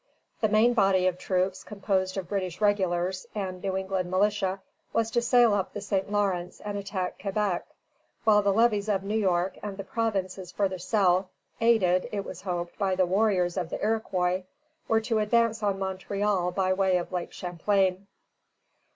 The main body of troops, composed of British regulars and New England militia, was to sail up the St. Lawrence and attack Quebec, while the levies of New York and the provinces farther south, aided, it was hoped, by the warriors of the Iroquois, were to advance on Montreal by way of Lake Champlain.